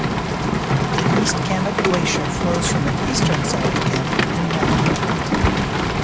The East Kamet Glacier flows from the eastern side of Kamet and Mana.